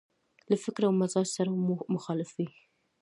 له فکر او مزاج سره مو مخالف وي.